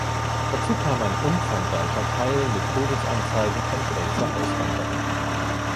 Dazu kam ein umfangreicher Teil mit Todesanzeigen von Pfälzer Auswanderern.